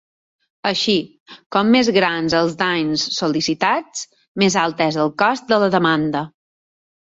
Així, com més grans els danys sol·licitats, més alt és el cost de la demanda.